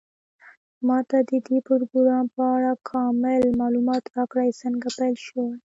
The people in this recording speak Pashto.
ما ته د دې پروګرام په اړه کامل معلومات راکړئ څنګه پیل شوی